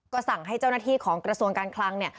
ก็สั่งให้เจ้าหน้าที่ของกระทรวงการคลังเนี่ย